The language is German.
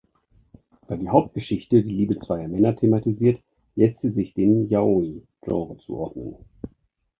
Da die Hauptgeschichte die Liebe zweier Männer thematisiert, lässt sie sich dem Yaoi-Genre zuordnen.